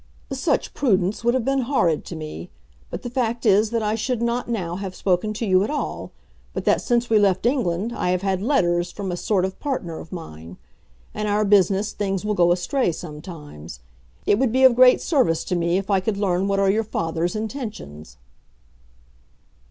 "Such prudence would have been horrid to me. But the fact is that I should not now have spoken to you at all, but that since we left England I have had letters from a sort of partner of mine. In our business things will go astray sometimes. It would be of great service to me if I could learn what are your father's intentions."